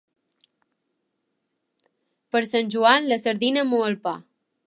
Per Sant Joan la sardina mulla el pa.